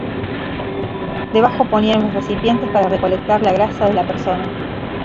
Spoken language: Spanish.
Debajo ponían unos recipientes para recolectar la grasa de la persona.